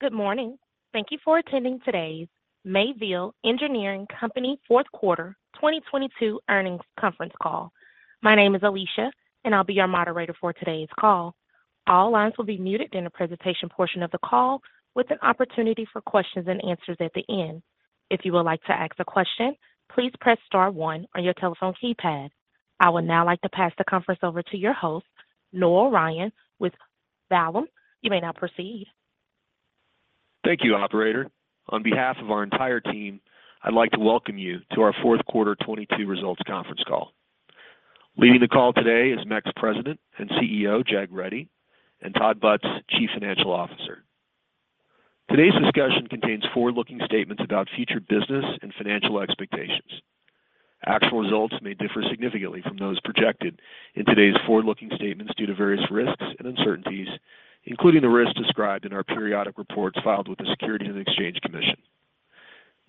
Good morning. Thank you for attending today's Mayville Engineering Company fourth quarter 2022 earnings conference call. My name is Alicia. I'll be your moderator for today's call. All lines will be muted during the presentation portion of the call with an opportunity for questions and answers at the end. If you would like to ask a question, please press star one on your telephone keypad. I would now like to pass the conference over to your host, Noel Ryan with Vallum. You may now proceed. Thank you, operator. On behalf of our entire team, I'd like to welcome you to our fourth quarter 2022 results conference call. Leading the call today is MEC's President and CEO, Jag Reddy, and Todd Butz, Chief Financial Officer. Today's discussion contains forward-looking statements about future business and financial expectations. Actual results may differ significantly from those projected in today's forward-looking statements due to various risks and uncertainties, including the risks described in our periodic reports filed with the Securities and Exchange Commission.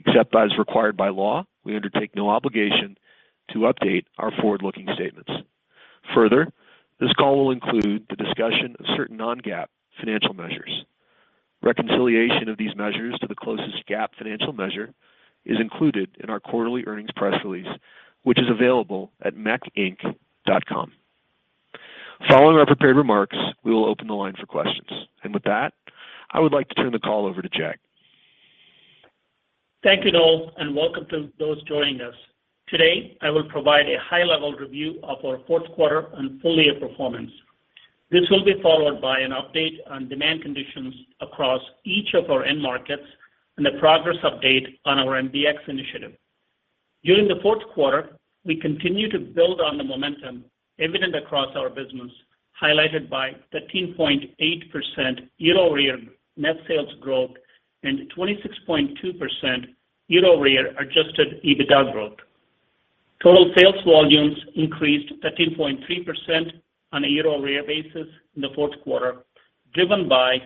Except as required by law, we undertake no obligation to update our forward-looking statements. Further, this call will include the discussion of certain non-GAAP financial measures. Reconciliation of these measures to the closest GAAP financial measure is included in our quarterly earnings press release, which is available at mecinc.com. Following our prepared remarks, we will open the line for questions. With that, I would like to turn the call over to Jag. Thank you, Noel, and welcome to those joining us. Today, I will provide a high-level review of our fourth quarter and full year performance. This will be followed by an update on demand conditions across each of our end markets and a progress update on our MBX initiative. During the fourth quarter, we continued to build on the momentum evident across our business, highlighted by 13.8% year-over-year net sales growth and 26.2% year-over-year Adjusted EBITDA growth. Total sales volumes increased 13.3% on a year-over-year basis in the fourth quarter, driven by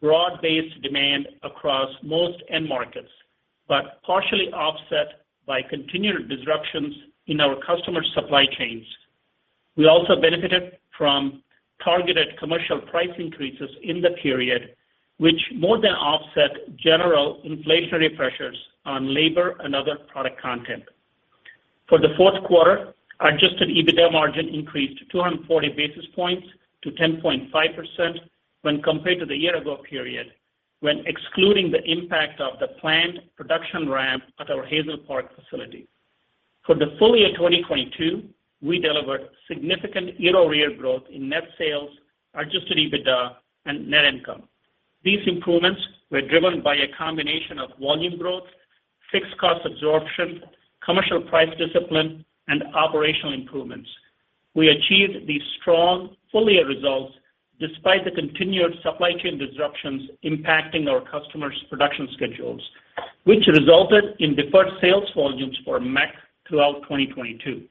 broad-based demand across most end markets, partially offset by continued disruptions in our customer supply chains. We also benefited from targeted commercial price increases in the period, which more than offset general inflationary pressures on labor and other product content. For the fourth quarter, Adjusted EBITDA margin increased 240 basis points to 10.5% when compared to the year-ago period when excluding the impact of the planned production ramp at our Hazel Park facility. For the full year 2022, we delivered significant year-over-year growth in net sales, Adjusted EBITDA and net income. These improvements were driven by a combination of volume growth, fixed cost absorption, commercial price discipline, and operational improvements. We achieved these strong full year results despite the continued supply chain disruptions impacting our customers' production schedules, which resulted in deferred sales volumes for MEC throughout 2022.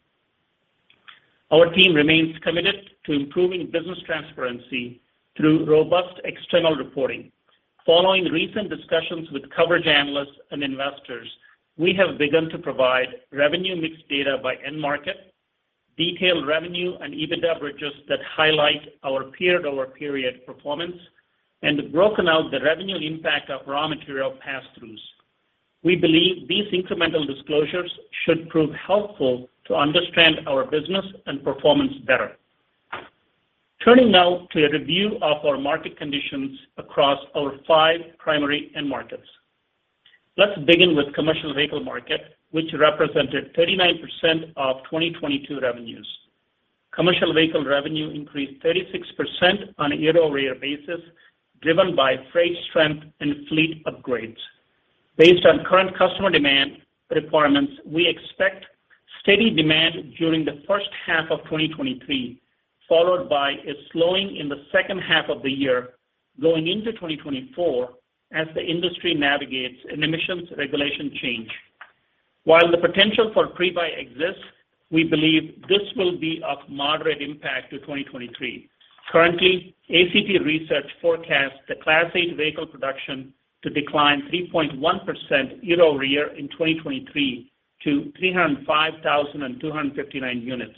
Our team remains committed to improving business transparency through robust external reporting. Following recent discussions with coverage analysts and investors, we have begun to provide revenue mix data by end market, detailed revenue and EBITDA bridges that highlight our period-over-period performance and broken out the revenue impact of raw material passthroughs. We believe these incremental disclosures should prove helpful to understand our business and performance better. Turning now to a review of our market conditions across our five primary end markets. Let's begin with commercial vehicle market, which represented 39% of 2022 revenues. Commercial vehicle revenue increased 36% on a year-over-year basis, driven by freight strength and fleet upgrades. Based on current customer demand requirements, we expect steady demand during the first half of 2023, followed by a slowing in the second half of the year going into 2024 as the industry navigates an emissions regulation change. The potential for pre-buy exists, we believe this will be of moderate impact to 2023. Currently, ACT Research forecasts the Class 8 vehicle production to decline 3.1% year-over-year in 2023 to 305,259 units.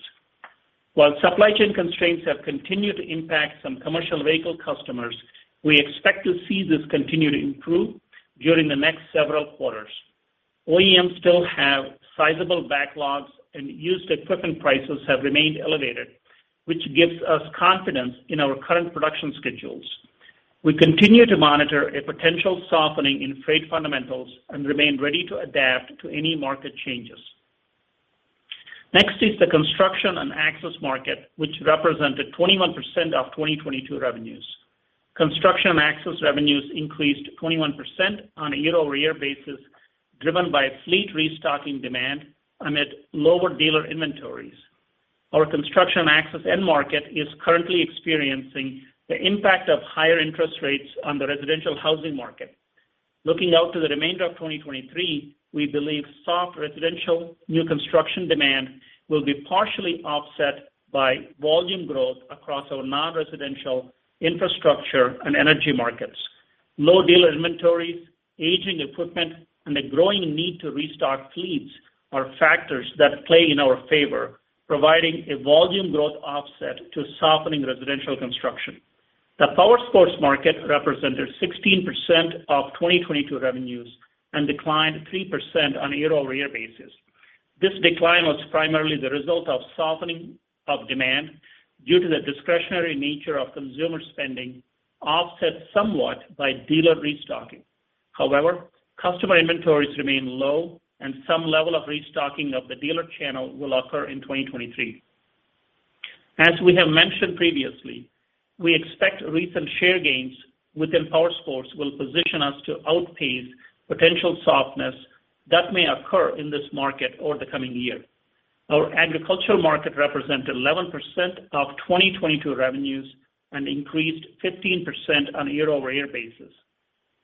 Supply chain constraints have continued to impact some commercial vehicle customers, we expect to see this continue to improve during the next several quarters. OEMs still have sizable backlogs and used equipment prices have remained elevated, which gives us confidence in our current production schedules. We continue to monitor a potential softening in freight fundamentals and remain ready to adapt to any market changes. The construction and access market, which represented 21% of 2022 revenues. Construction and access revenues increased 21% on a year-over-year basis, driven by fleet restocking demand amid lower dealer inventories. Our construction and access end market is currently experiencing the impact of higher interest rates on the residential housing market. Looking out to the remainder of 2023, we believe soft residential new construction demand will be partially offset by volume growth across our non-residential infrastructure and energy markets. Low dealer inventories, aging equipment, and the growing need to restock fleets are factors that play in our favor. Providing a volume growth offset to softening residential construction. The Powersports market represented 16% of 2022 revenues and declined 3% on a year-over-year basis. This decline was primarily the result of softening of demand due to the discretionary nature of consumer spending, offset somewhat by dealer restocking. However, customer inventories remain low, and some level of restocking of the dealer channel will occur in 2023. As we have mentioned previously, we expect recent share gains within Powersports will position us to outpace potential softness that may occur in this market over the coming year. Our agricultural market represented 11% of 2022 revenues and increased 15% on a year-over-year basis.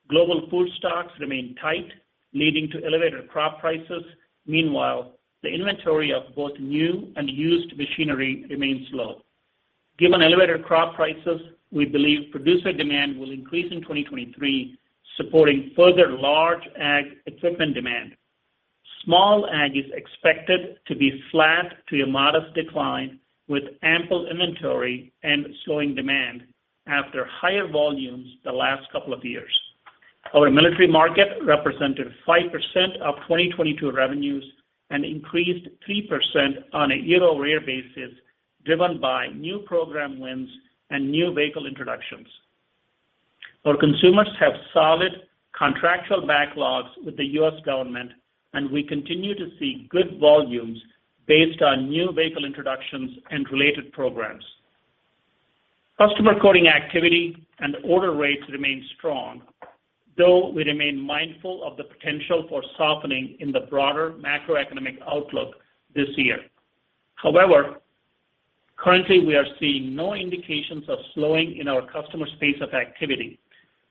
Global food stocks remain tight, leading to elevated crop prices. Meanwhile, the inventory of both new and used machinery remains low. Given elevated crop prices, we believe producer demand will increase in 2023, supporting further large ag equipment demand. Small ag is expected to be flat to a modest decline, with ample inventory and slowing demand after higher volumes the last couple of years. Our military market represented 5% of 2022 revenues and increased 3% on a year-over-year basis, driven by new program wins and new vehicle introductions. Our consumers have solid contractual backlogs with the U.S. government. We continue to see good volumes based on new vehicle introductions and related programs. Customer quoting activity and order rates remain strong, though we remain mindful of the potential for softening in the broader macroeconomic outlook this year. However, currently, we are seeing no indications of slowing in our customer space of activity.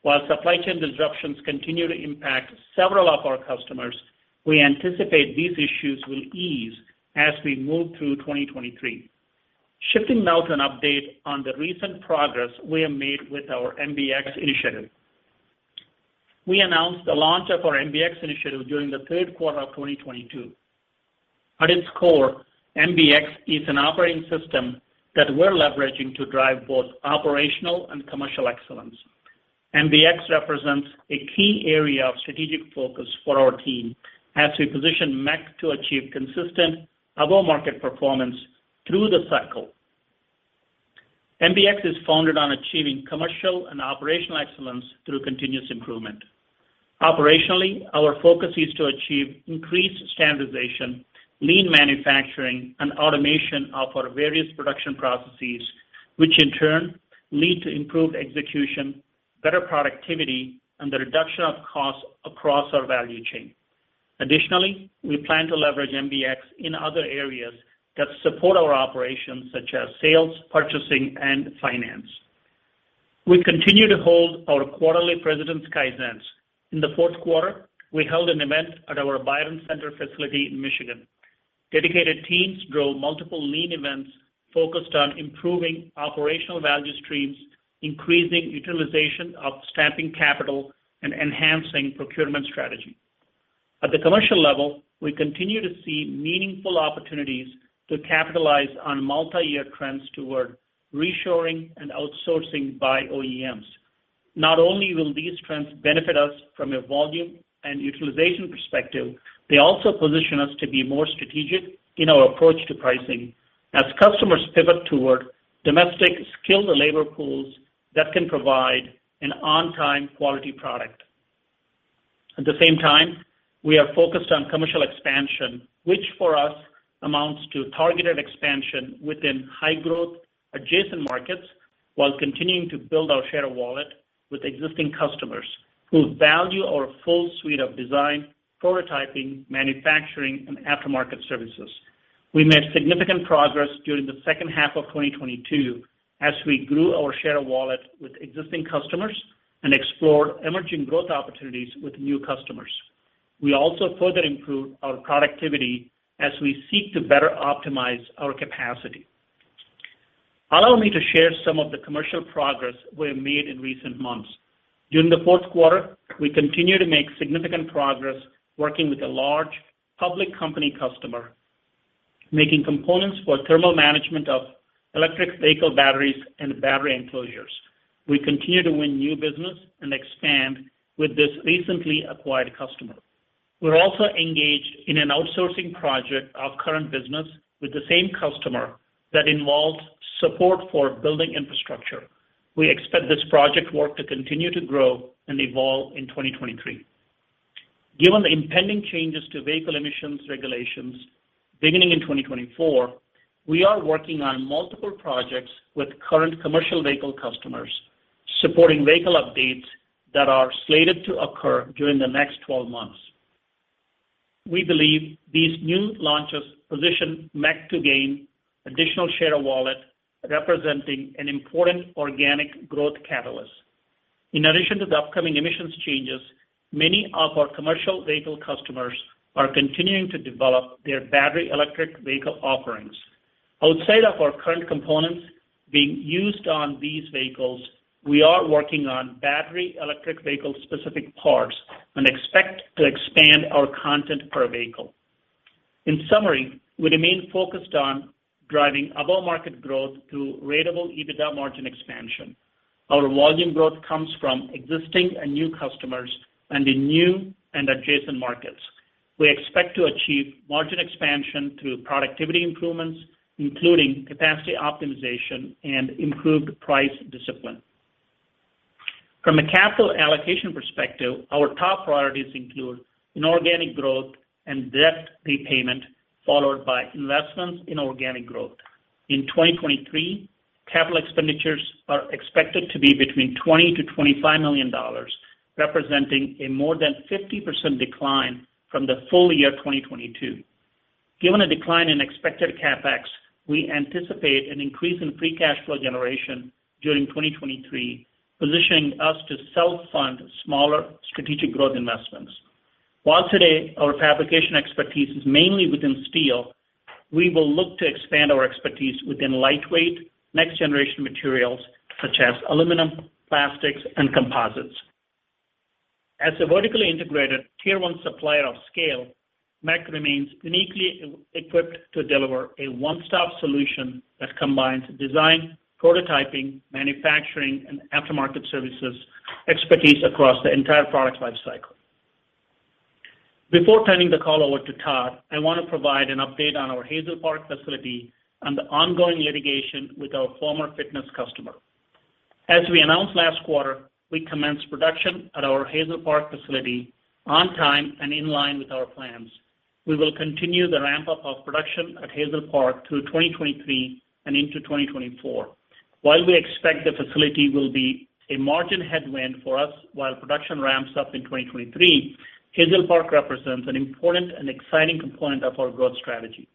While supply chain disruptions continue to impact several of our customers, we anticipate these issues will ease as we move through 2023. Shifting now to an update on the recent progress we have made with our MBX initiative. We announced the launch of our MBX initiative during the third quarter of 2022. At its core, MBX is an operating system that we're leveraging to drive both operational and commercial excellence. MBX represents a key area of strategic focus for our team as we position MEC to achieve consistent above market performance through the cycle. MBX is founded on achieving commercial and operational excellence through continuous improvement. Operationally, our focus is to achieve increased standardization, lean manufacturing, and automation of our various production processes, which in turn lead to improved execution, better productivity, and the reduction of costs across our value chain. Additionally, we plan to leverage MBX in other areas that support our operations, such as sales, purchasing, and finance. We continue to hold our quarterly President's Kaizens. In the fourth quarter, we held an event at our Byron Center facility in Michigan. Dedicated teams drove multiple lean events focused on improving operational value streams, increasing utilization of stamping capital, and enhancing procurement strategy. At the commercial level, we continue to see meaningful opportunities to capitalize on multi-year trends toward reshoring and outsourcing by OEMs. Not only will these trends benefit us from a volume and utilization perspective, they also position us to be more strategic in our approach to pricing as customers pivot toward domestic skilled labor pools that can provide an on-time quality product. At the same time, we are focused on commercial expansion, which for us amounts to targeted expansion within high growth adjacent markets while continuing to build our share of wallet with existing customers who value our full suite of design, prototyping, manufacturing, and aftermarket services. We made significant progress during the second half of 2022 as we grew our share of wallet with existing customers and explored emerging growth opportunities with new customers. We also further improved our productivity as we seek to better optimize our capacity. Allow me to share some of the commercial progress we have made in recent months. During the fourth quarter, we continued to make significant progress working with a large public company customer, making components for thermal management of electric vehicle batteries and battery enclosures. We continue to win new business and expand with this recently acquired customer. We are also engaged in an outsourcing project of current business with the same customer that involves support for building infrastructure. We expect this project work to continue to grow and evolve in 2023. Given the impending changes to vehicle emissions regulations beginning in 2024, we are working on multiple projects with current commercial vehicle customers, supporting vehicle updates that are slated to occur during the next 12 months. We believe these new launches position MEC to gain additional share of wallet, representing an important organic growth catalyst. In addition to the upcoming emissions changes, many of our commercial vehicle customers are continuing to develop their battery electric vehicle offerings. Outside of our current components being used on these vehicles, we are working on battery electric vehicle specific parts and expect to expand our content per vehicle. In summary, we remain focused on driving above-market growth through ratable EBITDA margin expansion. Our volume growth comes from existing and new customers and in new and adjacent markets. We expect to achieve margin expansion through productivity improvements, including capacity optimization and improved price discipline. From a capital allocation perspective, our top priorities include inorganic growth and debt repayment, followed by investments in organic growth. In 2023, capital expenditures are expected to be between $20 million-$25 million, representing a more than 50% decline from the full year 2022. Given a decline in expected CapEx, we anticipate an increase in free cash flow generation during 2023, positioning us to self-fund smaller strategic growth investments. While today our fabrication expertise is mainly within steel, we will look to expand our expertise within lightweight, next-generation materials such as aluminum, plastics, and composites. As a vertically integrated tier one supplier of scale, MEC remains uniquely equipped to deliver a one-stop solution that combines design, prototyping, manufacturing, and aftermarket services expertise across the entire product life cycle. Before turning the call over to Todd, I want to provide an update on our Hazel Park facility and the ongoing litigation with our former fitness customer. As we announced last quarter, we commenced production at our Hazel Park facility on time and in line with our plans. We will continue the ramp-up of production at Hazel Park through 2023 and into 2024. While we expect the facility will be a margin headwind for us while production ramps up in 2023, Hazel Park represents an important and exciting component of our growth strategy.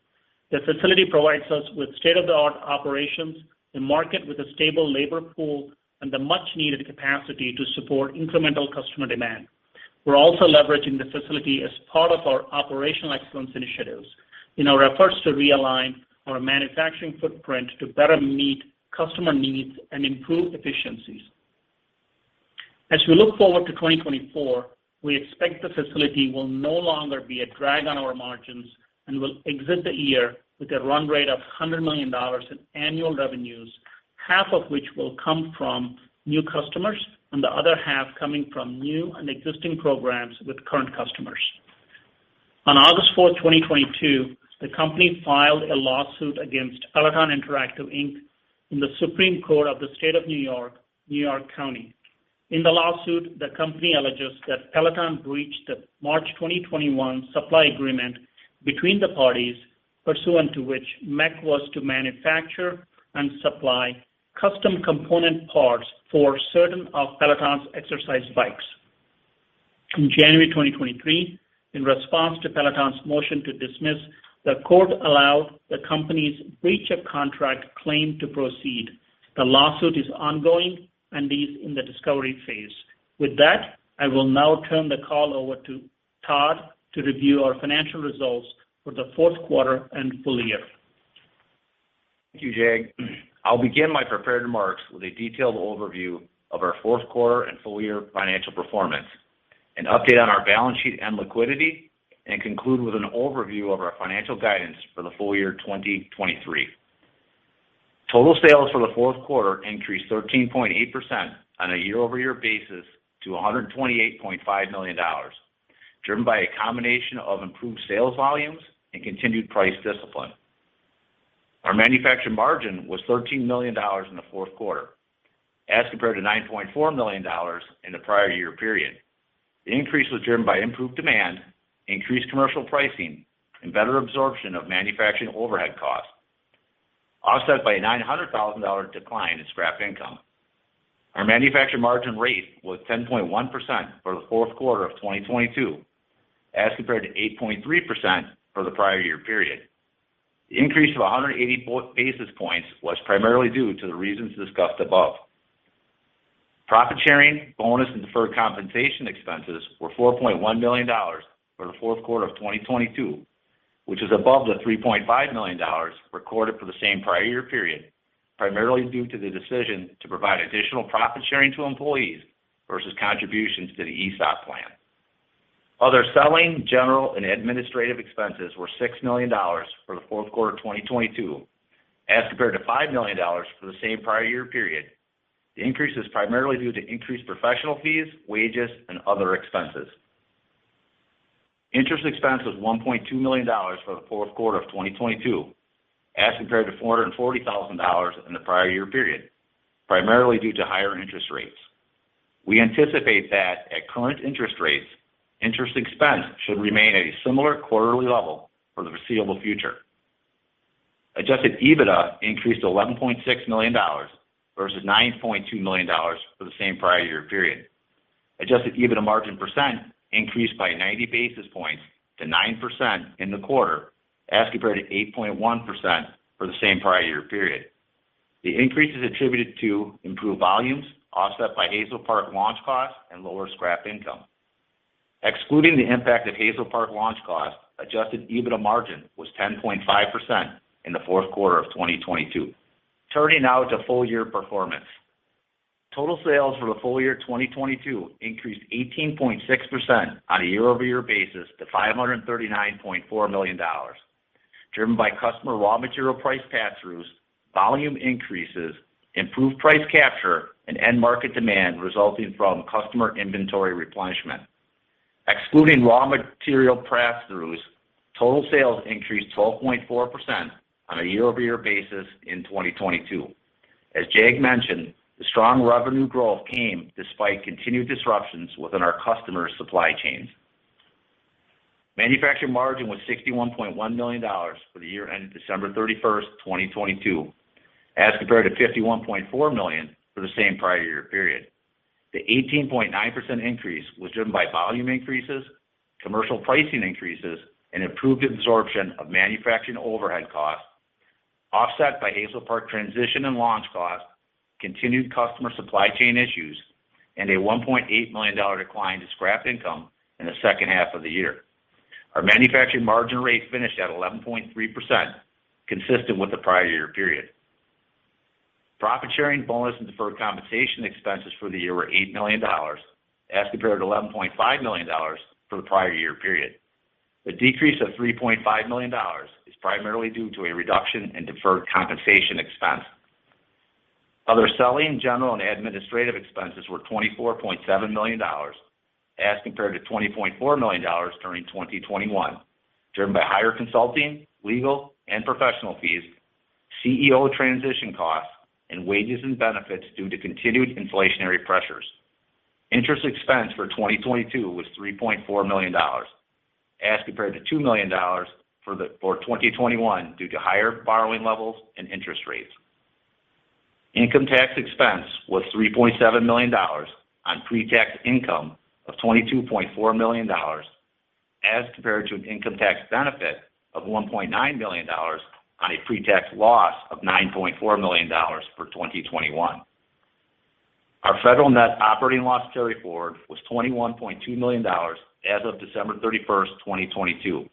The facility provides us with state-of-the-art operations, a market with a stable labor pool, and the much-needed capacity to support incremental customer demand. We're also leveraging the facility as part of our operational excellence initiatives in our efforts to realign our manufacturing footprint to better meet customer needs and improve efficiencies. As we look forward to 2024, we expect the facility will no longer be a drag on our margins and will exit the year with a run rate of $100 million in annual revenues, half of which will come from new customers and the other half coming from new and existing programs with current customers. On August 4, 2022, the company filed a lawsuit against Peloton Interactive, Inc. in the Supreme Court of the State of New York, New York County. In the lawsuit, the company alleges that Peloton breached the March 2021 supply agreement between the parties, pursuant to which MEC was to manufacture and supply custom component parts for certain of Peloton's exercise bikes. In January 2023, in response to Peloton's motion to dismiss, the court allowed the company's breach of contract claim to proceed. The lawsuit is ongoing and is in the discovery phase. With that, I will now turn the call over to Todd to review our financial results for the fourth quarter and full year. Thank you, Jag. I'll begin my prepared remarks with a detailed overview of our fourth quarter and full year financial performance, an update on our balance sheet and liquidity, and conclude with an overview of our financial guidance for the full year 2023. Total sales for the fourth quarter increased 13.8% on a year-over-year basis to $128.5 million, driven by a combination of improved sales volumes and continued price discipline. Our manufacturing margin was $13 million in the fourth quarter as compared to $9.4 million in the prior year period. The increase was driven by improved demand, increased commercial pricing, and better absorption of manufacturing overhead costs, offset by a $900,000 decline in scrap income. Our manufacture margin rate was 10.1% for the fourth quarter of 2022 as compared to 8.3% for the prior year period. The increase of 180 basis points was primarily due to the reasons discussed above. Profit sharing, bonus, and deferred compensation expenses were $4.1 million for the fourth quarter of 2022, which is above the $3.5 million recorded for the same prior year period, primarily due to the decision to provide additional profit sharing to employees versus contributions to the ESOP plan. Other selling, general, and administrative expenses were $6 million for the fourth quarter of 2022 as compared to $5 million for the same prior year period. The increase is primarily due to increased professional fees, wages, and other expenses. Interest expense was $1.2 million for the fourth quarter of 2022 as compared to $440,000 in the prior year period, primarily due to higher interest rates. We anticipate that at current interest rates, interest expense should remain at a similar quarterly level for the foreseeable future. Adjusted EBITDA increased to $11.6 million versus $9.2 million for the same prior year period. Adjusted EBITDA margin percent increased by 90 basis points to 9% in the quarter as compared to 8.1% for the same prior year period. The increase is attributed to improved volumes offset by Hazel Park launch costs and lower scrap income. Excluding the impact of Hazel Park launch costs, Adjusted EBITDA margin was 10.5% in the fourth quarter of 2022. Turning now to full year performance. Total sales for the full year 2022 increased 18.6% on a year-over-year basis to $539.4 million, driven by customer raw material price pass-throughs, volume increases, improved price capture, and end market demand resulting from customer inventory replenishment. Excluding raw material pass-throughs, total sales increased 12.4% on a year-over-year basis in 2022. As Jag mentioned, the strong revenue growth came despite continued disruptions within our customers' supply chains. Manufacturing margin was $61.1 million for the year ending December 31, 2022, as compared to $51.4 million for the same prior year period. The 18.9% increase was driven by volume increases, commercial pricing increases, and improved absorption of manufacturing overhead costs, offset by Hazel Park transition and launch costs, continued customer supply chain issues, and a $1.8 million decline to scrap income in the second half of the year. Our manufacturing margin rate finished at 11.3%, consistent with the prior year period. Profit sharing bonus and deferred compensation expenses for the year were $8 million as compared to $11.5 million for the prior year period. The decrease of $3.5 million is primarily due to a reduction in deferred compensation expense. Other selling, general, and administrative expenses were $24.7 million as compared to $20.4 million during 2021, driven by higher consulting, legal, and professional fees, CEO transition costs, and wages and benefits due to continued inflationary pressures. Interest expense for 2022 was $3.4 million as compared to $2 million for 2021 due to higher borrowing levels and interest rates. Income tax expense was $3.7 million on pre-tax income of $22.4 million as compared to an income tax benefit of $1.9 million on a pre-tax loss of $9.4 million for 2021. Our federal net operating loss carryforward was $21.2 million as of December 31st, 2022.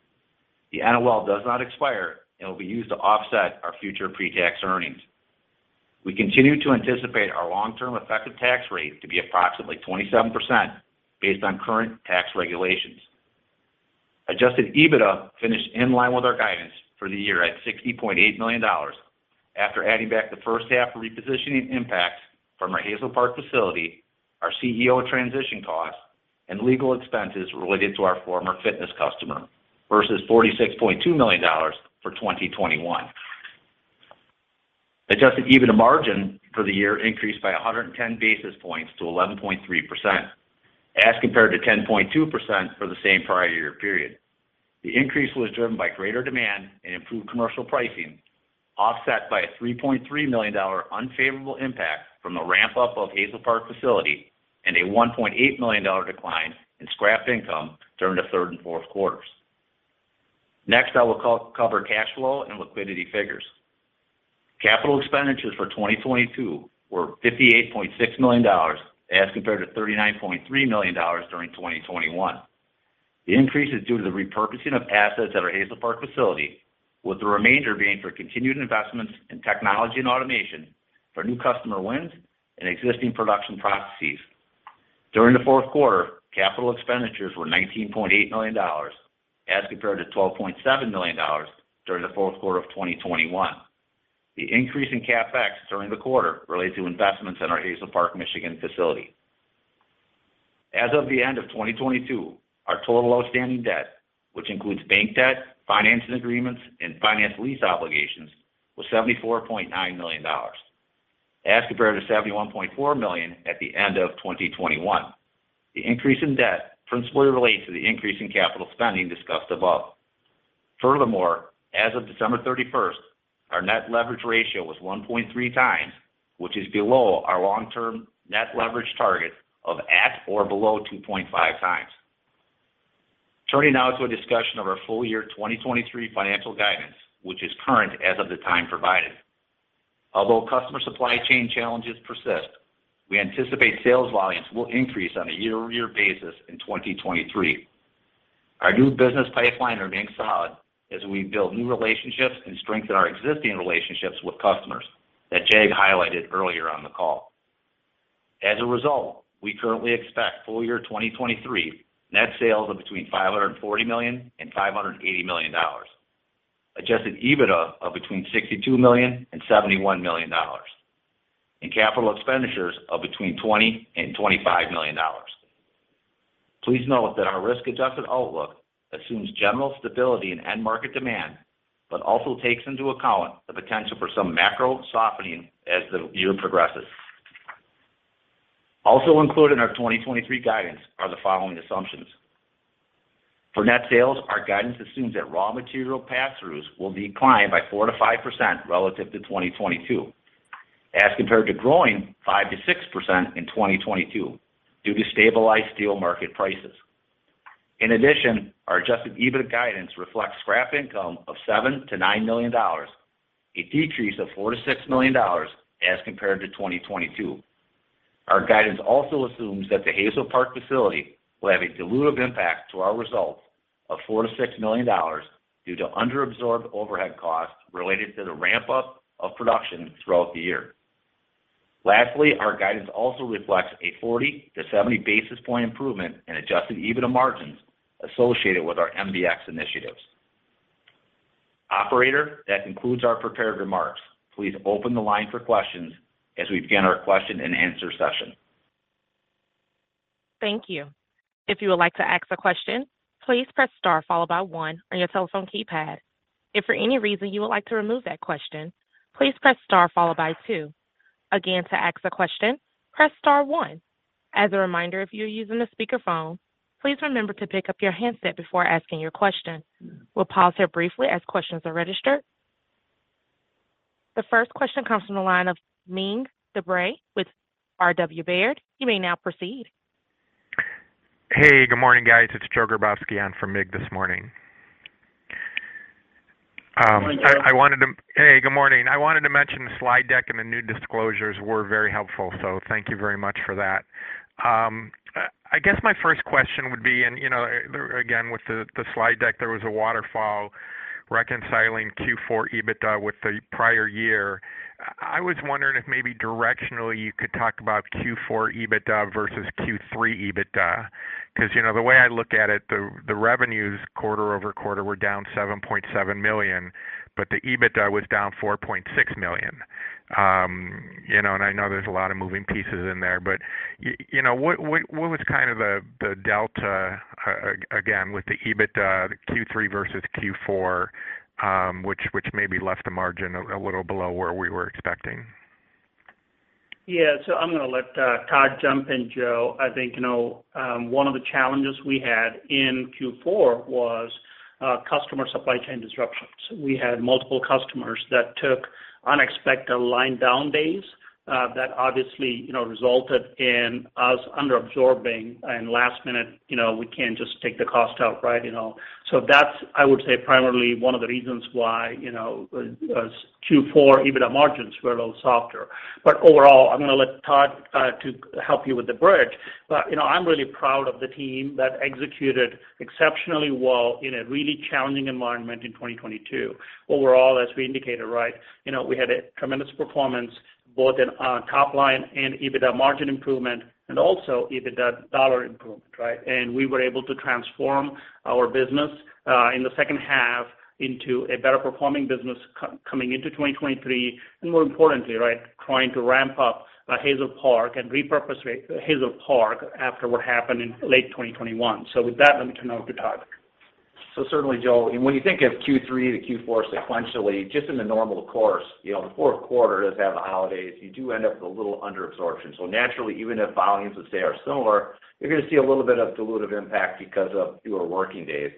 The NOL does not expire and will be used to offset our future pre-tax earnings. We continue to anticipate our long-term effective tax rate to be approximately 27% based on current tax regulations. Adjusted EBITDA finished in line with our guidance for the year at $60.8 million after adding back the first half repositioning impacts from our Hazel Park facility, our CEO transition costs, and legal expenses related to our former fitness customer versus $46.2 million for 2021. Adjusted EBITDA margin for the year increased by 110 basis points to 11.3% as compared to 10.2% for the same prior year period. The increase was driven by greater demand and improved commercial pricing, offset by a $3.3 million unfavorable impact from the ramp-up of Hazel Park facility and a $1.8 million decline in scrap income during the third and fourth quarters. Next, I will co-cover cash flow and liquidity figures. Capital expenditures for 2022 were $58.6 million as compared to $39.3 million during 2021. The increase is due to the repurchasing of assets at our Hazel Park facility, with the remainder being for continued investments in technology and automation for new customer wins and existing production processes. During the fourth quarter, capital expenditures were $19.8 million as compared to $12.7 million during the fourth quarter of 2021. The increase in CapEx during the quarter relates to investments in our Hazel Park, Michigan facility. As of the end of 2022, our total outstanding debt, which includes bank debt, financing agreements, and finance lease obligations, was $74.9 million as compared to $71.4 million at the end of 2021. The increase in debt principally relates to the increase in capital spending discussed above. As of December 31st, our net leverage ratio was 1.3 times, which is below our long-term net leverage target of at or below 2.5 times. Turning now to a discussion of our full year 2023 financial guidance, which is current as of the time provided. Although customer supply chain challenges persist, we anticipate sales volumes will increase on a year-over-year basis in 2023. Our new business pipeline remains solid as we build new relationships and strengthen our existing relationships with customers that Jag highlighted earlier on the call. As a result, we currently expect full year 2023 net sales of between $540 million and $580 million, Adjusted EBITDA of between $62 million and $71 million, and capital expenditures of between $20 million-$25 million. Please note that our risk-adjusted outlook assumes general stability in end market demand, but also takes into account the potential for some macro softening as the year progresses. Also included in our 2023 guidance are the following assumptions: For net sales, our guidance assumes that raw material pass-throughs will decline by 4%-5% relative to 2022, as compared to growing 5%-6% in 2022 due to stabilized steel market prices. In addition, our Adjusted EBITDA guidance reflects scrap income of $7 million-$9 million. A decrease of $4 million-$6 million as compared to 2022. Our guidance also assumes that the Hazel Park facility will have a dilutive impact to our results of $4 million-$6 million due to underabsorbed overhead costs related to the ramp-up of production throughout the year. Lastly, our guidance also reflects a 40-70 basis point improvement in Adjusted EBITDA margins associated with our MBX initiatives. Operator, that concludes our prepared remarks. Please open the line for questions as we begin our question-and-answer session. Thank you. If you would like to ask a question, please press star followed by one on your telephone keypad. If for any reason you would like to remove that question, please press star followed by two. Again, to ask a question, press star one. As a reminder, if you are using a speakerphone, please remember to pick up your handset before asking your question. We'll pause here briefly as questions are registered. The first question comes from the line of Mig Dobre with R.W. Baird. You may now proceed. Hey, good morning, guys. It's Joe Grabowski on for Mig this morning. Good morning, Joe. I wanted to Hey, good morning. I wanted to mention the slide deck and the new disclosures were very helpful, so thank you very much for that. I guess my first question would be, and, you know, again, with the slide deck, there was a waterfall reconciling Q4 EBITDA with the prior year. I was wondering if maybe directionally you could talk about Q4 EBITDA versus Q3 EBITDA. 'Cause, you know, the way I look at it, the revenues quarter-over-quarter were down $7.7 million, but the EBITDA was down $4.6 million. You know, and I know there's a lot of moving pieces in there, but you know, what was kind of the delta again, with the EBITDA, the Q3 versus Q4, which maybe left the margin a little below where we were expecting? Yeah. I'm gonna let Todd jump in, Joe. I think, you know, one of the challenges we had in Q4 was customer supply chain disruptions. We had multiple customers that took unexpected line down days, that obviously, you know, resulted in us underabsorbing, and last minute, you know, we can't just take the cost out, right, you know. That's, I would say, primarily one of the reasons why, you know, Q4 EBITDA margins were a little softer. Overall, I'm gonna let Todd to help you with the bridge. You know, I'm really proud of the team that executed exceptionally well in a really challenging environment in 2022. Overall, as we indicated, right, you know, we had a tremendous performance both in top line and EBITDA margin improvement and also EBITDA dollar improvement, right? We were able to transform our business, in the second half into a better performing business coming into 2023, and more importantly, right, trying to ramp up, Hazel Park and repurpose Hazel Park after what happened in late 2021. With that, let me turn it over to Todd. Certainly, Joe, and when you think of Q3 to Q4 sequentially, just in the normal course, you know, the fourth quarter does have the holidays. You do end up with a little underabsorption. Naturally, even if volumes would say are similar, you're gonna see a little bit of dilutive impact because of fewer working days.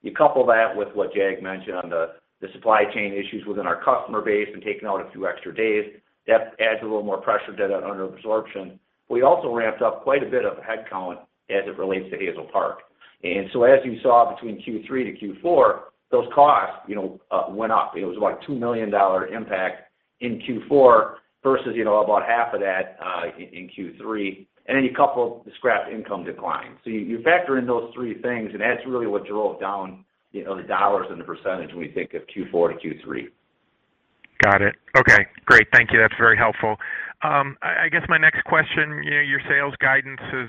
You couple that with what Jag mentioned on the supply chain issues within our customer base and taking out a few extra days, that adds a little more pressure to that underabsorption. We also ramped up quite a bit of headcount as it relates to Hazel Park. As you saw between Q3 to Q4, those costs, you know, went up. It was, what, a $2 million impact in Q4 versus, you know, about half of that in Q3. You couple the scrap income decline. You factor in those 3 things, and that's really what drove down, you know, the dollars and the percentage when you think of Q4 to Q3. Got it. Okay, great. Thank you. That's very helpful. I guess my next question, you know, your sales guidance is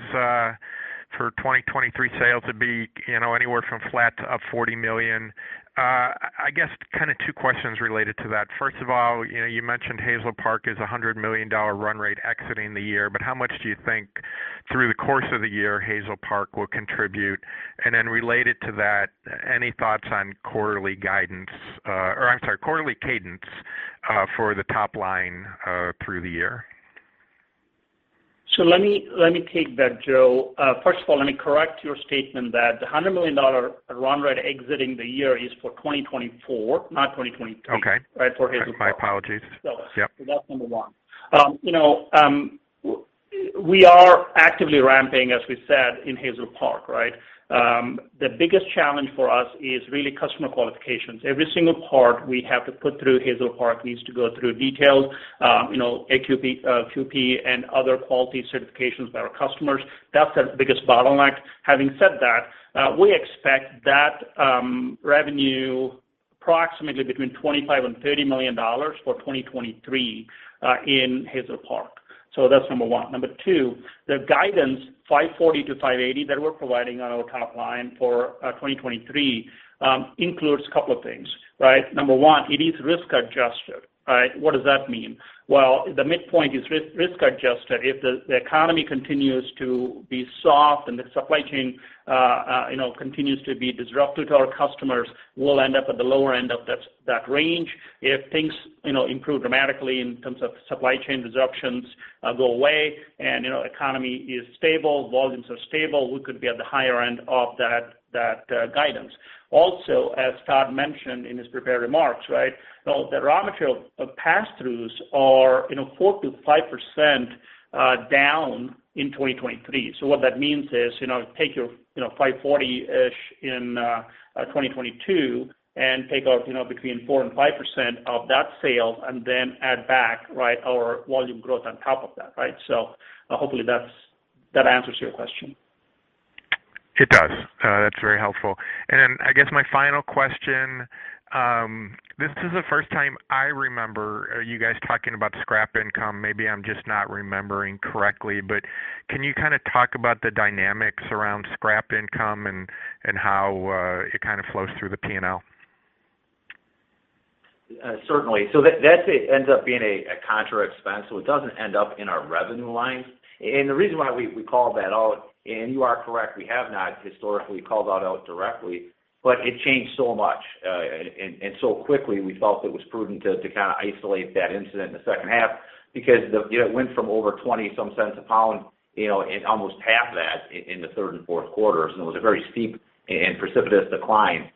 for 2023 sales would be, you know, anywhere from flat to up $40 million. I guess kind of two questions related to that. First of all, you know, you mentioned Hazel Park is a $100 million run rate exiting the year, but how much do you think through the course of the year Hazel Park will contribute? Related to that, any thoughts on quarterly guidance, or I'm sorry, quarterly cadence, for the top line, through the year? Let me take that, Joe. First of all, let me correct your statement that the $100 million run rate exiting the year is for 2024, not 2023. Okay. Right? For Hazel Park. My apologies. So- Yeah. That's number one. You know, we are actively ramping, as we said, in Hazel Park, right? The biggest challenge for us is really customer qualifications. Every single part we have to put through Hazel Park needs to go through detailed, you know, APQP, PPAP, and other quality certifications by our customers. That's the biggest bottleneck. Having said that, we expect that revenue approximately between $25 million-$30 million for 2023 in Hazel Park. That's number one. Number two, the guidance, $540 million-$580 million, that we're providing on our top line for 2023 includes a couple of things, right? Number one, it is risk adjusted, right? What does that mean? Well, the midpoint is risk adjusted. If the economy continues to be soft and the supply chain, you know, continues to be disruptive to our customers, we'll end up at the lower end of that range. If things, you know, improve dramatically in terms of supply chain disruptions go away and, you know, economy is stable, volumes are stable, we could be at the higher end of that guidance. Also, as Todd mentioned in his prepared remarks, right? You know, the raw material of pass-throughs are, you know, 4%-5% down in 2023. What that means is, you know, take your, you know, $540-ish in 2022 and take out, you know, between 4% and 5% of that sale and then add back, right, our volume growth on top of that, right? Hopefully that answers your question. It does. That's very helpful. I guess my final question, this is the first time I remember you guys talking about scrap income. Maybe I'm just not remembering correctly, but can you kind of talk about the dynamics around scrap income and how it kind of flows through the P&L? Certainly. That ends up being a contra expense, so it doesn't end up in our revenue line. The reason why we call that out, and you are correct, we have not historically called that out directly, but it changed so much and so quickly, we felt it was prudent to kind of isolate that incident in the second half because. You know, it went from over $0.20 some a pound, you know, and almost half that in the third and fourth quarters. It was a very steep and precipitous decline.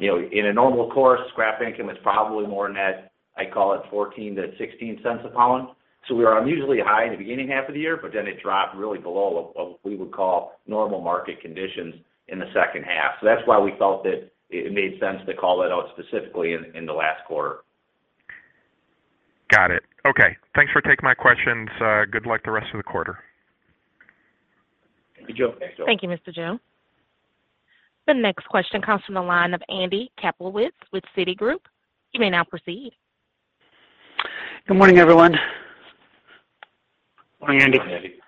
You know, in a normal course, scrap income is probably more net, I call it $0.14-$0.16 a pound. We are unusually high in the beginning half of the year, but then it dropped really below of what we would call normal market conditions in the second half. That's why we felt that it made sense to call that out specifically in the last quarter. Got it. Okay, thanks for taking my questions. Good luck the rest of the quarter. Thank you, Joe. Thanks, Joe. Thank you, Mr. Joe. The next question comes from the line of Andy Kaplowitz with Citigroup. You may now proceed. Good morning, everyone. Morning, Andy. Morning, Andy.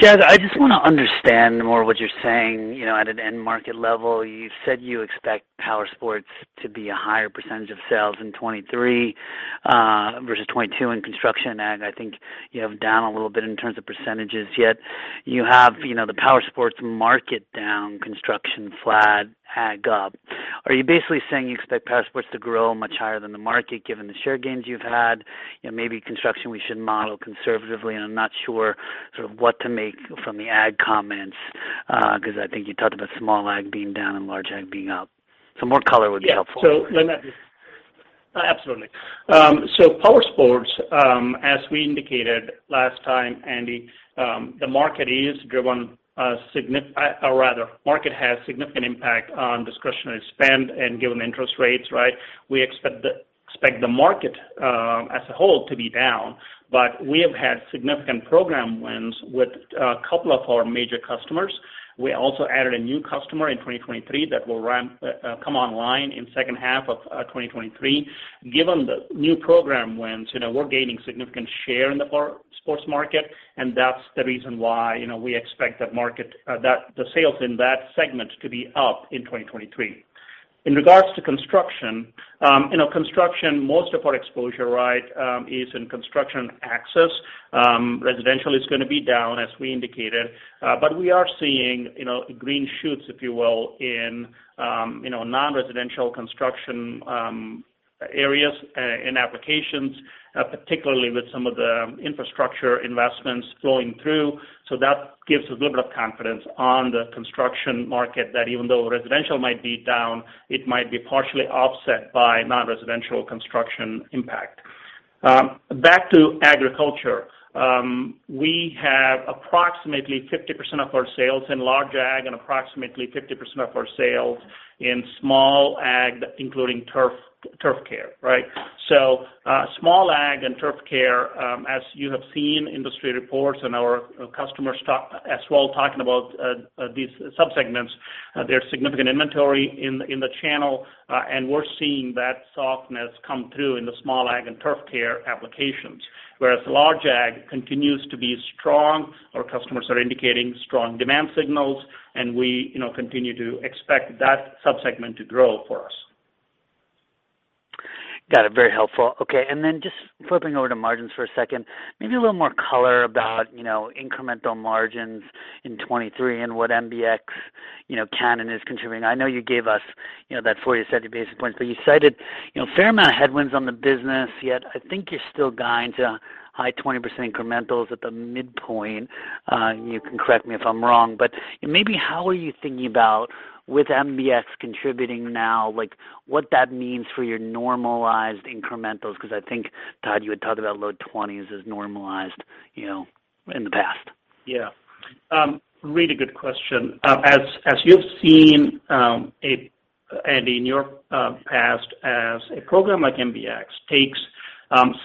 Jag, I just wanna understand more what you're saying, you know, at an end market level. You said you expect Powersports to be a higher percentage of sales in 2023, versus 2022 in construction. Ag, I think you have down a little bit in terms of percentages. Yet you have, you know, the Powersports market down, construction flat, ag up. Are you basically saying you expect Powersports to grow much higher than the market, given the share gains you've had? You know, maybe construction we should model conservatively, and I'm not sure sort of what to make from the ag comments, 'cause I think you talked about small ag being down and large ag being up. More color would be helpful. Absolutely. Powersports, as we indicated last time, Andy, the market has significant impact on discretionary spend and given interest rates, right? We expect the market as a whole to be down, but we have had significant program wins with a couple of our major customers. We also added a new customer in 2023 that will come online in second half of 2023. Given the new program wins, you know, we're gaining significant share in the Powersports market. That's the reason why, you know, we expect that the sales in that segment to be up in 2023. In regards to construction, you know, construction, most of our exposure, right, is in construction access. Residential is gonna be down, as we indicated. But we are seeing, you know, green shoots, if you will, in, you know, non-residential construction, areas, in applications, particularly with some of the infrastructure investments flowing through. That gives us a little bit of confidence on the construction market that even though residential might be down, it might be partially offset by non-residential construction impact. Back to agriculture. We have approximately 50% of our sales in large ag and approximately 50% of our sales in small ag, including turf care, right? So small ag and turf care, as you have seen industry reports and our customers talk as well talking about these subsegments, there's significant inventory in the channel, and we're seeing that softness come through in the small ag and turf care applications. Whereas large ag continues to be strong. Our customers are indicating strong demand signals, and we, you know, continue to expect that subsegment to grow for us. Got it. Very helpful. Okay, then just flipping over to margins for a second, maybe a little more color about, you know, incremental margins in 2023 and what MBX, you know, can and is contributing. I know you gave us, you know, that 40-70 basis points, but you cited, you know, a fair amount of headwinds on the business. I think you're still guiding to high 20% incrementals at the midpoint. You can correct me if I'm wrong, but maybe how are you thinking about with MBX contributing now, like what that means for your normalized incrementals? Because I think, Todd, you had talked about low 20s as normalized, you know, in the past. Really good question. As you've seen, Andy, in your past as a program like MBX takes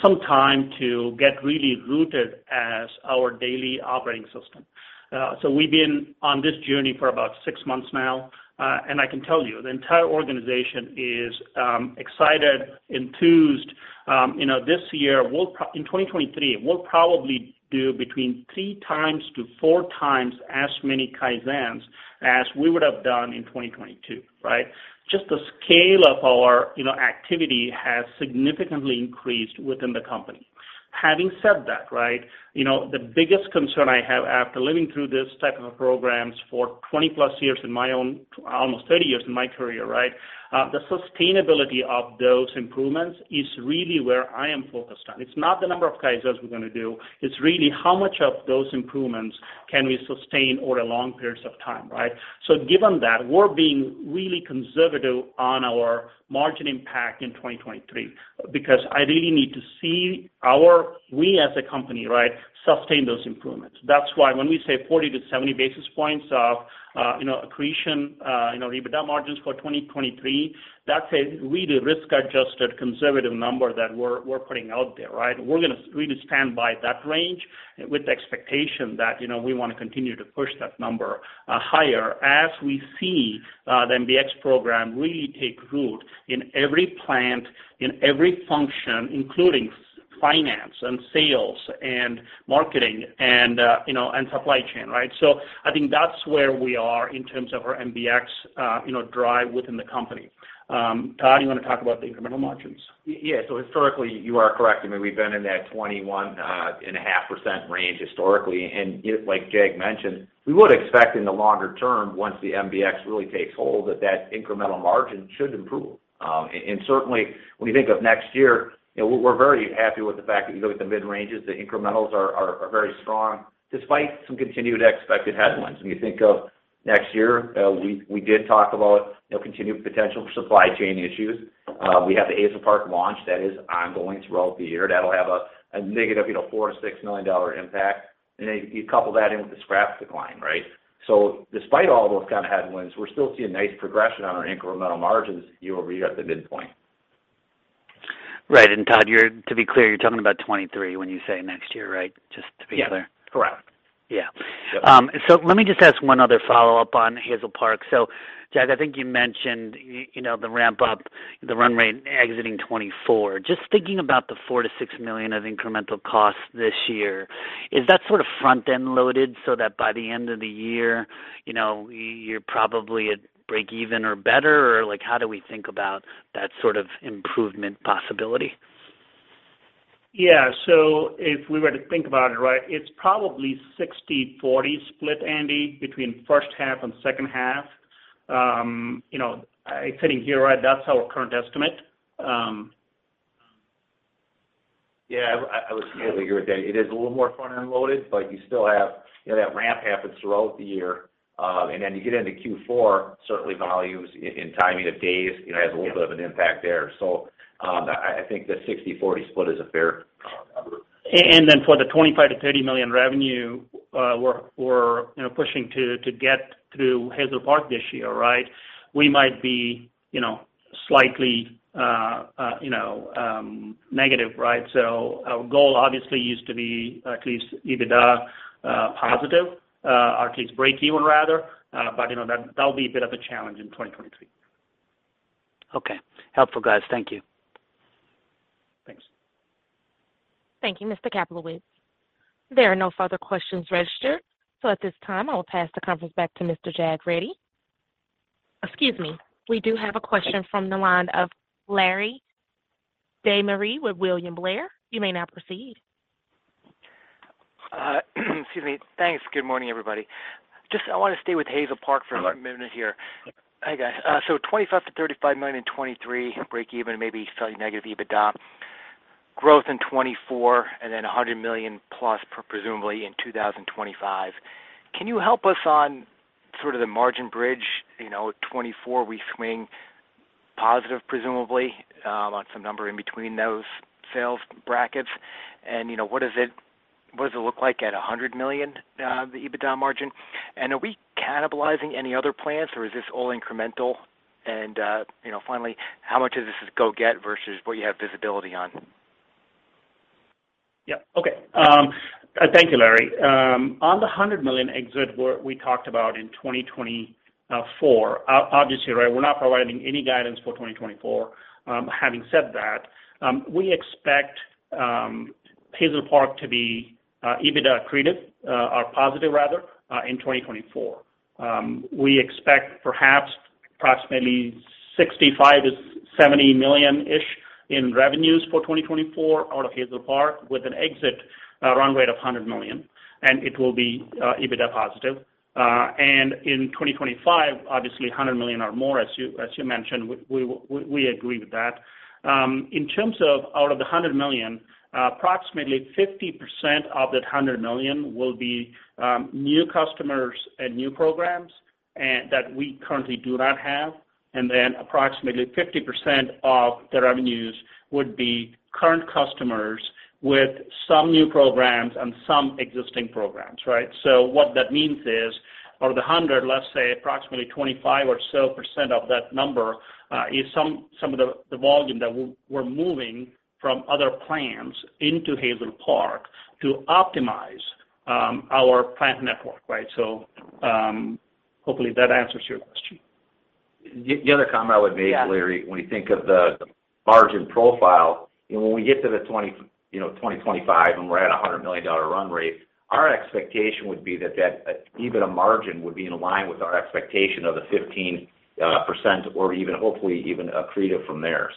some time to get really rooted as our daily operating system. We've been on this journey for about six months now. I can tell you the entire organization is excited, enthused. You know, this year, in 2023, we'll probably do between three times to four times as many Kaizens as we would have done in 2022, right? Just the scale of our, you know, activity has significantly increased within the company. Having said that, right, you know, the biggest concern I have after living through this type of programs for 20+ years in my almost 30 years in my career, right? The sustainability of those improvements is really where I am focused on. It's not the number of Kaizens we're gonna do. It's really how much of those improvements can we sustain over long periods of time, right? Given that, we're being really conservative on our margin impact in 2023 because I really need to see we as a company, right, sustain those improvements. That's why when we say 40 to 70 basis points of, you know, accretion, you know, EBITDA margins for 2023, that's a really risk-adjusted conservative number that we're putting out there, right? We're gonna really stand by that range with the expectation that, you know, we wanna continue to push that number higher as we see the MBX program really take root in every plant, in every function, including finance and sales and marketing and, you know, and supply chain, right? I think that's where we are in terms of our MBX, you know, drive within the company. Todd, you wanna talk about the incremental margins? Yeah. Historically, you are correct. I mean, we've been in that 21.5% range historically. Like Jag mentioned, we would expect in the longer term, once the MBX really takes hold, that incremental margin should improve. Certainly when you think of next year, you know, we're very happy with the fact that even with the mid-ranges, the incrementals are very strong, despite some continued expected headwinds. When you think of next year, we did talk about, you know, continued potential for supply chain issues. We have the Hazel Park launch that is ongoing throughout the year. That'll have a negative, you know, $4 million-$6 million impact. You couple that in with the scrap decline, right? Despite all those kind of headwinds, we're still seeing nice progression on our incremental margins year-over-year at the midpoint. Right. Todd, you're to be clear, you're talking about 2023 when you say next year, right? Just to be clear. Yeah, correct. Yeah. Yep. Let me just ask one other follow-up on Hazel Park. Jag, I think you mentioned the ramp up, the run rate exiting 2024. Just thinking about the $4 million-$6 million of incremental costs this year, is that sort of front-end loaded so that by the end of the year, you're probably at break even or better? Like, how do we think about that sort of improvement possibility? If we were to think about it, right, it's probably 60/40 split, Andy, between first half and second half. You know, sitting here, right, that's our current estimate. Yeah. I would agree with that. It is a little more front-end loaded. You know, that ramp happens throughout the year. Then you get into Q4, certainly volumes in timing of days, you know, has a little bit of an impact there. I think the 60/40 split is a fair number. For the $25 million-$30 million revenue, we're, you know, pushing to get through Hazel Park this year, right? We might be, you know, slightly, you know, negative, right? Our goal obviously is to be at least EBITDA positive or at least break even rather. you know, that'll be a bit of a challenge in 2023. Okay. Helpful, guys. Thank you. Thanks. Thank you, Mr. Kaplowitz. There are no further questions registered. At this time, I will pass the conference back to Mr. Jag Reddy. Excuse me. We do have a question from the line of Larry De Maria with William Blair. You may now proceed. Excuse me. Thanks. Good morning, everybody. Just I wanna stay with Hazel Park for a minute here. Sure. Hi, guys. $25 million-$35 million in 2023, break even, maybe slightly negative EBITDA. Growth in 2024, then $100+ million presumably in 2025. Can you help us on sort of the margin bridge? You know, 2024, we swing positive, presumably, on some number in between those sales brackets. You know, what does it look like at $100 million, the EBITDA margin? Are we cannibalizing any other plants or is this all incremental? You know, finally, how much of this is go-get versus what you have visibility on? Yeah. Okay. Thank you, Larry. On the $100 million exit we talked about in 2024, obviously, right, we're not providing any guidance for 2024. Having said that, we expect Hazel Park to be EBITDA accretive, or positive rather, in 2024. We expect perhaps approximately $65 million-$70 million in revenues for 2024 out of Hazel Park with an exit run rate of $100 million, and it will be EBITDA positive. And in 2025, obviously $100 million or more, as you mentioned, we agree with that. In terms of out of the $100 million, approximately 50% of that $100 million will be new customers and new programs and that we currently do not have. Approximately 50% of the revenues would be current customers with some new programs and some existing programs, right? What that means is out of the 100, let's say approximately 25% or so of that number, is some of the volume that we're moving from other plants into Hazel Park to optimize our plant network, right? Hopefully that answers your question. The other comment I would make, Larry, when you think of the margin profile, when we get to the 20, you know, 2025, and we're at a $100 million run rate, our expectation would be that that EBITDA margin would be in line with our expectation of a 15% or even, hopefully even accretive from there.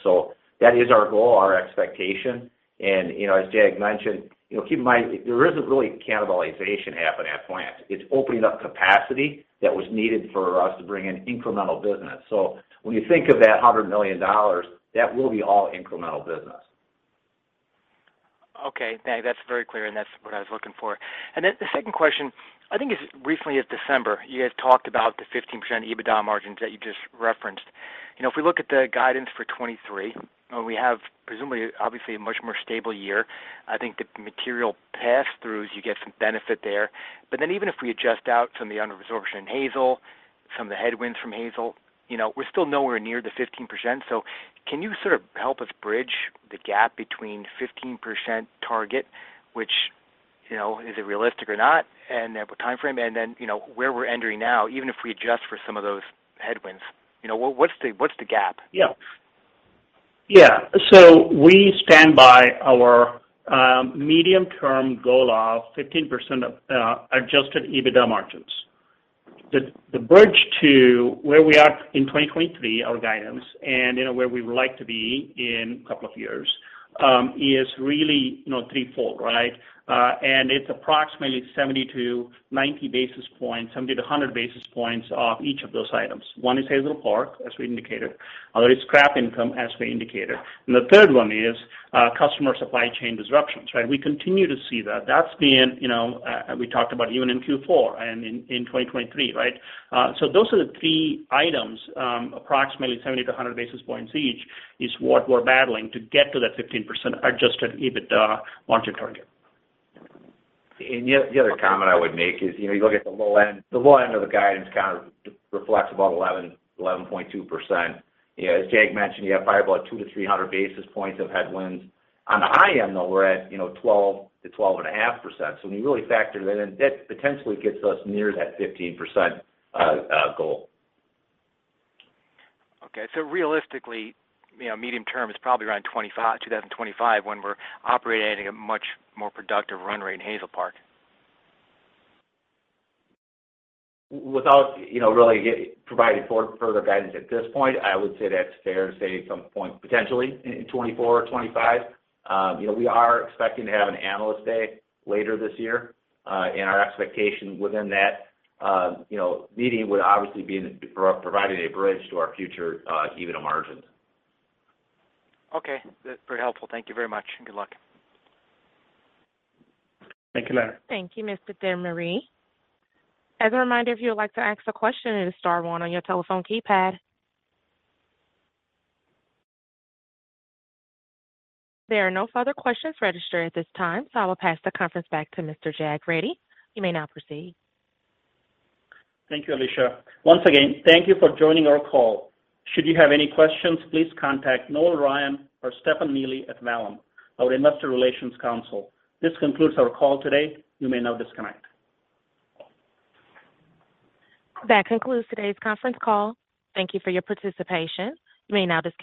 That is our goal, our expectation. You know, as Jag mentioned, you know, keep in mind, there isn't really cannibalization happening at plant. It's opening up capacity that was needed for us to bring in incremental business. When you think of that $100 million, that will be all incremental business. Okay. That's very clear, and that's what I was looking for. The second question, I think it's recently as December, you had talked about the 15% EBITDA margins that you just referenced. You know, if we look at the guidance for 2023, we have presumably, obviously a much more stable year, I think the material pass-through is you get some benefit there. Even if we adjust out from the under-absorption in Hazel, from the headwinds from Hazel, you know, we're still nowhere near the 15%. Can you sort of help us bridge the gap between 15% target, which, you know, is it realistic or not, and the time frame, and then, you know, where we're entering now, even if we adjust for some of those headwinds. You know, what's the gap? We stand by our medium-term goal of 15% of Adjusted EBITDA margins. The bridge to where we are in 2023, our guidance, and you know, where we would like to be in a couple of years, is really, you know, threefold, right? It's approximately 70-90 basis points, 70-100 basis points off each of those items. One is Hazel Park, as we indicated. Other is scrap income, as we indicated. The third one is customer supply chain disruptions, right? We continue to see that. That's been, you know, we talked about even in Q4 and in 2023, right? Those are the three items, approximately 70-100 basis points each is what we're battling to get to that 15% Adjusted EBITDA margin target. The other comment I would make is, you know, you look at the low end. The low end of the guidance kind of reflects about 11.2%. You know, as Jag mentioned, you have probably about 200-300 basis points of headwinds. On the high end, though, we're at, you know, 12%-12.5%. When you really factor that in, that potentially gets us near that 15% goal. Okay. realistically, you know, medium term is probably around 2025 when we're operating at a much more productive run rate in Hazel Park. Without, you know, really providing for further guidance at this point, I would say that's fair to say at some point, potentially in 2024 or 2025. You know, we are expecting to have an Analyst Day later this year. Our expectation within that, you know, meeting would obviously be providing a bridge to our future EBITDA margins. Okay. That's very helpful. Thank you very much, and good luck. Thank you, Larry. Thank you, Mr. Demery. As a reminder, if you would like to ask a question, it is star one on your telephone keypad. There are no further questions registered at this time. I will pass the conference back to Mr. Jag Reddy. You may now proceed. Thank you, Alicia. Once again, thank you for joining our call. Should you have any questions, please contact Noel Ryan or Stefan Neely at Vallum, our investor relations council. This concludes our call today. You may now disconnect. That concludes today's conference call. Thank you for your participation. You may now disconnect.